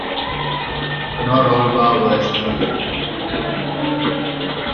No rollbar was needed.